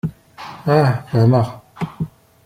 Ah, fehmeɣ.